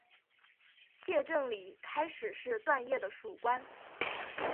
谢正礼开始是段业的属官。